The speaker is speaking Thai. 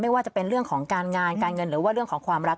ว่าจะเป็นเรื่องของการงานการเงินหรือว่าเรื่องของความรัก